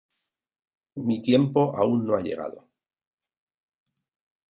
Mi tiempo aún no ha llegado".